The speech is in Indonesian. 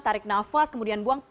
tarik nafas kemudian buang